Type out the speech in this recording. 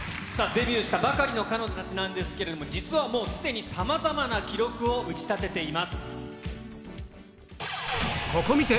デビューしたばかりの彼女たちなんですけれども、実はもうすでにさまざまな記録を打ち立ててここ観て！